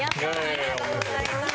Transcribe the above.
おめでとうございます。